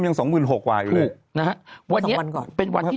เป็นสองหมื่นเจ็ดไปแล้วพี่